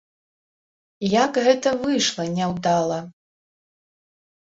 Як гэта выйшла няўдала!